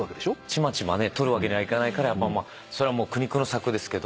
ちまちまね取るわけにはいかないからそりゃもう苦肉の策ですけど。